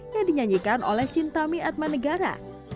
yang dinyanyikan oleh cintami atmanegara